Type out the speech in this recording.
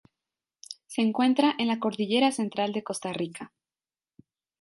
Se encuentra en la Cordillera Central de Costa Rica.